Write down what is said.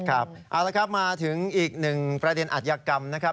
เอาละครับมาถึงอีกหนึ่งประเด็นอัธยกรรมนะครับ